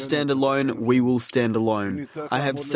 saya telah mengatakan bahwa jika perlu